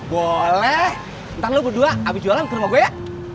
boleh ntar lu berdua habis jualan ke rumah gua ya